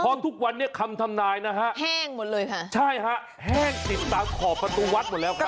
กรรมทุกวันคำทำนายนะฮะใช่ฮะแห้งสินตำขอประตูวัดหมดแล้วครับ